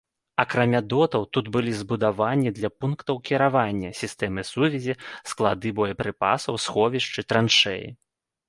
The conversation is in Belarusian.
Акрамя дотаў, тут былі збудаванні для пунктаў кіравання, сістэмы сувязі, склады боепрыпасаў, сховішчы, траншэі.